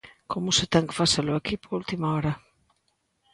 Como se ten que facer o equipo a última hora...